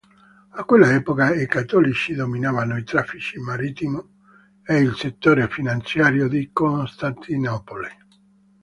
A quell'epoca i cattolici dominavano i traffici marittimi e il settore finanziario di Costantinopoli.